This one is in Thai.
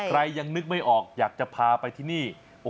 ยังนึกไม่ออกอยากจะพาไปที่นี่